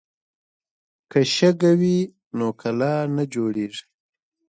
که شګه وي نو کلا نه جوړیږي.